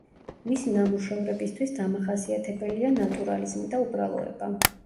მისი ნამუშევრებისთვის დამახასიათებელია ნატურალიზმი და უბრალოება.